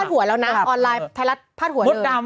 คุณนี้พราดหัวเรานะ